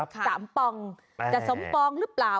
สามปองจะสมปองหรือเปล่า